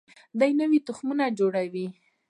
دوی نوي تخمونه جوړوي.